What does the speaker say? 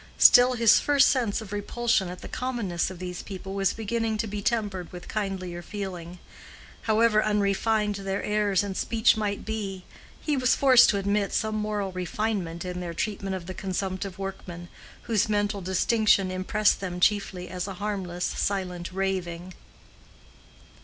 Still his first sense of repulsion at the commonness of these people was beginning to be tempered with kindlier feeling. However unrefined their airs and speech might be, he was forced to admit some moral refinement in their treatment of the consumptive workman, whose mental distinction impressed them chiefly as a harmless, silent raving.